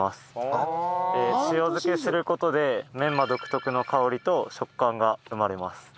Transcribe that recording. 塩漬けする事でメンマ独特の香りと食感が生まれます。